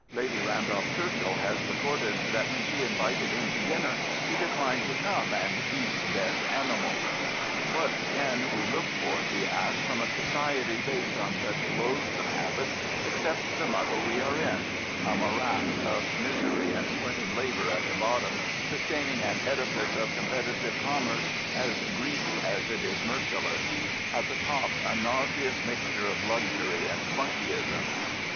Lady Randolph Churchill has recorded that when she invited him to dinner he declined to come and '"eat dead animals,'' What can we look for, he asks, from a society based on such loathsome habits except the muddle we are in — a morass of misery and sweated labour at the bottom sustaining an edifice of competitive commerce as greedy as it is merciless; at the top a nauseous mix ture of luxury and flunkeyism.